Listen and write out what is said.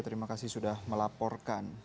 terima kasih sudah melaporkan